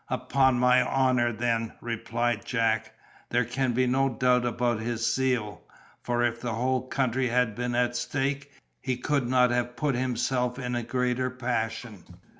"Upon my honor, then," replied Jack, "there can be no doubt of his zeal; for if the whole country had been at stake, he could not have put himself in a greater passion."